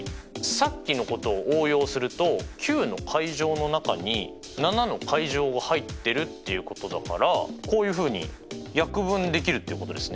さっきのことを応用すると９！の中に７！が入ってるっていうことだからこういうふうに約分できるっていうことですね。